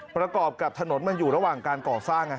ประกอบกับถนนมันอยู่ระหว่างการก่อสร้าง